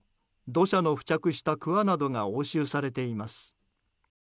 土砂の付着したくわなどが押収されています。